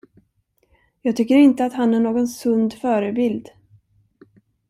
Jag tycker inte att han är någon sund förebild.